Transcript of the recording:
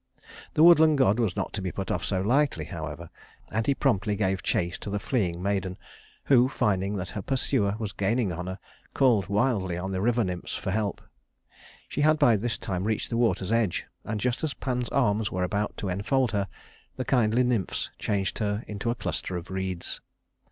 The woodland god was not to be put off so lightly, however; and he promptly gave chase to the fleeing maiden, who, finding that her pursuer was gaining on her, called wildly on the river nymphs for help. She had by this time reached the water's edge; and just as Pan's arms were about to enfold her, the kindly nymphs changed her into a cluster of reeds.